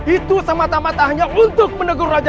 itu sama tamat hanya untuk menegur rakyat